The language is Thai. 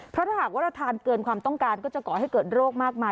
เพราะถ้าหากว่าเราทานเกินความต้องการก็จะก่อให้เกิดโรคมากมาย